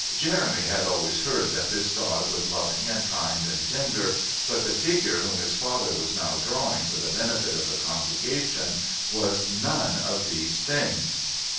Jeremy had always heard that this God was loving and kind and tender, but the figure whom his father was now drawing for the benefit of the congregation was none of these things.